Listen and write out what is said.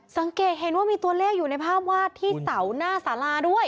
สังเกตเห็นว่ามีตัวเลขอยู่ในภาพวาดที่เสาหน้าสาราด้วย